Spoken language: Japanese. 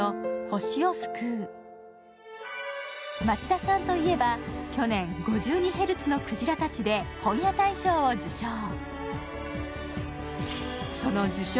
町田さんといえば、去年「５２ヘルツのクジラたち」で本屋大賞を受賞。